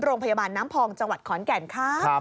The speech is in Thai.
โรงพยาบาลน้ำพองจังหวัดขอนแก่นครับ